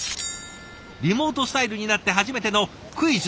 リモートスタイルになって初めての「クイズ！